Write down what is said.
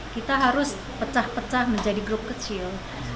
kita harus pecah pecah menjadi grup kecil